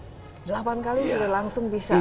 delapan kali sudah langsung bisa